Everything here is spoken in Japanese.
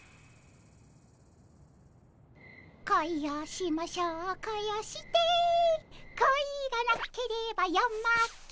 「恋をしましょう恋をして」「恋がなければ夜も明けぬ」